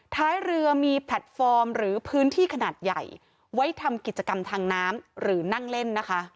ท้ายเรือมีแพลตฟอร์มหรือพื้นที่ขนาดใหญ่ไว้ทำกิจกรรมทางน้ำหรือนั่งเล่นนะคะ